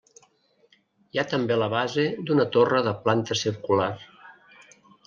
Hi ha també la base d'una torre de planta circular.